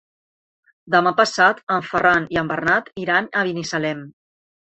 Demà passat en Ferran i en Bernat iran a Binissalem.